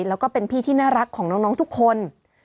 แล้วก็เป็นพี่ที่น่ารักของน้องทุกคน